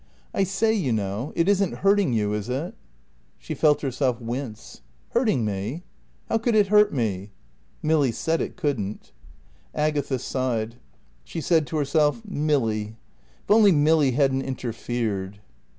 "I say, you know, it isn't hurting you, is it?" She felt herself wince. "Hurting me? How could it hurt me?" "Milly said it couldn't." Agatha sighed. She said to herself, "Milly if only Milly hadn't interfered."